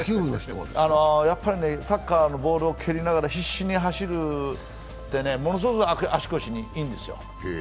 やっぱりねサッカーのボールを蹴りながら必死に走るってね、ものすごく足腰にいいんですよ。